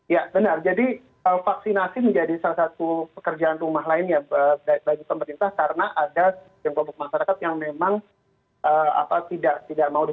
ya benar jadi vaksinasi menjadi salah satu pekerjaan rumah lain